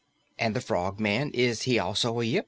"And the Frogman, is he also a Yip?"